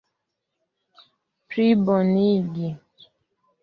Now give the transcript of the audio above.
plibonigi